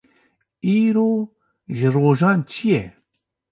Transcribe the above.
Îro ji rojan çi ye?